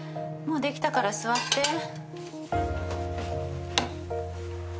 もうできたから座って。